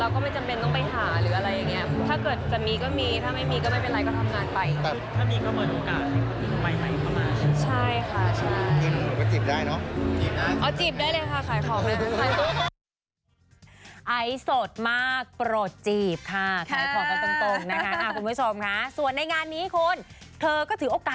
ก็จีบได้เนอะ